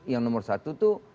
yang nomor satu itu